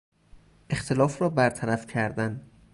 اختلاف را برطرف کردن